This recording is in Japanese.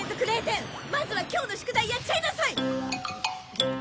まずは今日の宿題やっちゃいなさい！